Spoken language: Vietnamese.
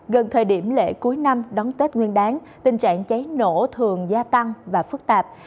gần thời điểm lễ cuối năm đón tết nguyên đáng tình trạng cháy nổ thường gia tăng và phức tạp